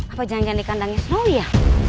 apa janjang di kandangnya snowy ya